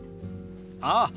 ああ。